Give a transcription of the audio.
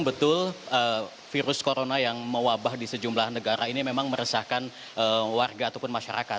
betul virus corona yang mewabah di sejumlah negara ini memang meresahkan warga ataupun masyarakat